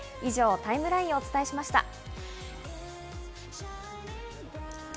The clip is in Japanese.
以上、タイムラインをお伝えしました。